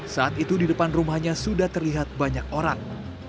saat itu di depan rumahnya sudah terlihat banyak orang